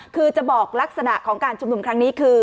คือจะบอกลักษณะของการชุมนุมครั้งนี้คือ